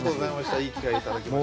いい機会をいただきまして。